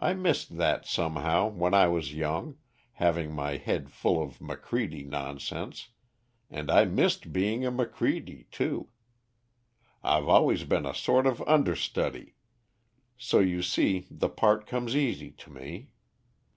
I missed that somehow when I was young, having my head full of Macready nonsense, and I missed being a Macready too. I've always been a sort of understudy, so you see the part comes easy to me.